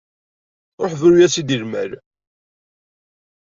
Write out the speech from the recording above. Ruḥ bru-yas-d i lmal.